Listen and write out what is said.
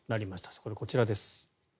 そこでこちらです。